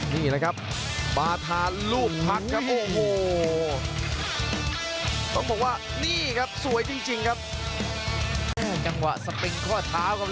พอเห็นผู้จะสู้นั้นอาการไม่ดีแกพุ่งเลยครับ